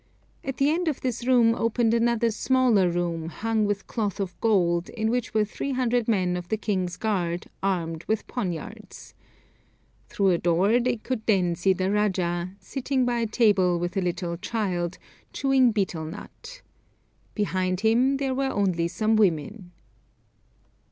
At the end of this room opened another smaller room, hung with cloth of gold, in which were 300 men of the king's guard armed with poniards. Through a door they could then see the rajah, sitting by a table with a little child, chewing betel nut. Behind him there were only some women.